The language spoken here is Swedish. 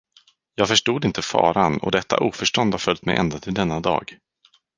Jag förstod inte faran och detta oförstånd har följt mig ända till denna dag.